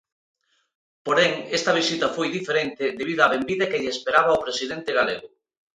Porén esta visita foi diferente debido a benvida que lle esperaba ao presidente galego.